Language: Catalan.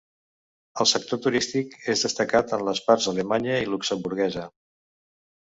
El sector turístic és destacat en les parts alemanya i luxemburguesa.